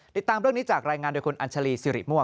ติดตามเรื่องนี้จากรายงานโดยคุณอัญชาลีสิริมั่ว